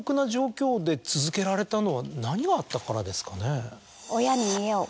何があったからですかね？